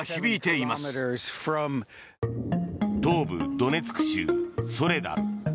ドネツク州ソレダル。